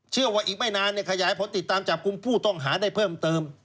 เชื่อว่าอีกไม่นานขยายผลติดตามจับกลุ่มผู้ต้องหาได้เพิ่มเติม